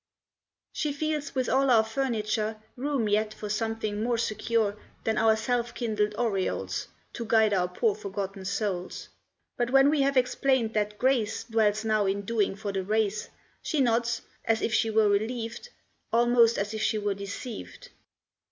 She feels, with all our furniture, Room yet for something more secure Than our self kindled aureoles To guide our poor forgotten souls; But when we have explained that grace Dwells now in doing for the race, She nods as if she were relieved; Almost as if she were deceived.